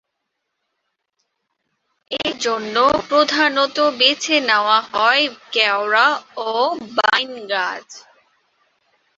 এজন্য প্রধানত বেছে নেওয়া হয় কেওড়া ও বাইন গাছ।